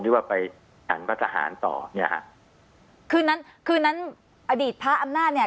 ที่ว่าไปหันพระทหารต่อเนี่ยฮะคืนนั้นคืนนั้นอดีตพระอำนาจเนี่ย